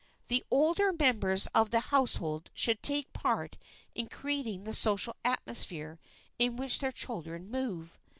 The older members of the household should take a part in creating the social atmosphere in which their children move.